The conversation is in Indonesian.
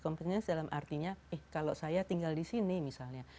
convenience dalam artinya eh kalau saya tinggal di sini misalnya